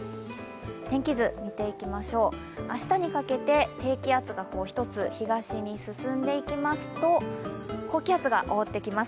天気図です明日にかけて、低気圧が一つ東に進んでいきますと高気圧が覆ってきます。